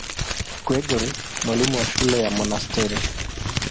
Gregori, mwalimu wa shule ya monasteri.